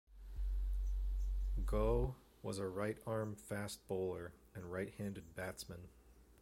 Gough was a right arm fast bowler and right-handed batsman.